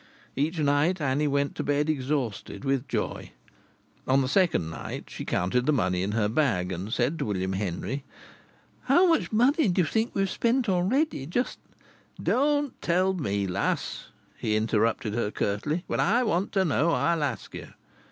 Each night Annie went to bed exhausted with joy. On the second night she counted the money in her bag, and said to William Henry: "How much money do you think we've spent already? Just " "Don't tell me, lass!" he interrupted her curtly. "When I want to know, I'll ask ye."